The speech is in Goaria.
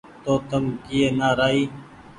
تو تم ڪيئي نآ رآئي